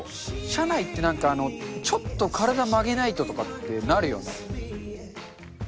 車内ってなんか、ちょっと体曲げないとってなるよね。